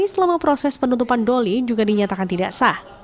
selama proses penutupan doli juga dinyatakan tidak sah